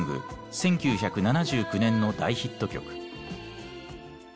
１９７９年の大ヒット曲。